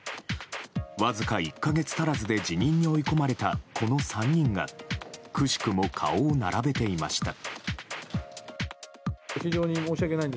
わずか１か月足らずで辞任に追い込まれた、この３人がくしくも顔を並べていました。